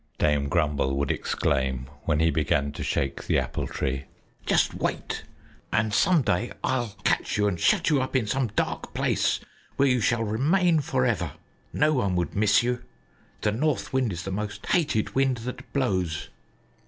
Dame Grumble would exclaim when he began to shake the Apple Tree. "Just wait, and some day I will catch you and shut you up in some dark place where you shall remain forever. No one would miss you. The North Wind is the most hated wind that blows!"